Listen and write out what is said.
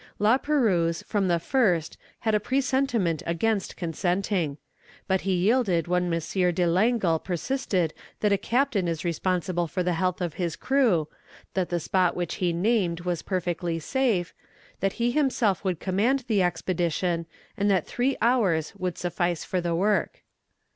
La Perouse from the first had a presentiment against consenting. But he yielded when M. de Langle persisted that a captain is responsible for the health of his crew, that the spot which he named was perfectly safe, that he himself would command the expedition, and that three hours would suffice for the work.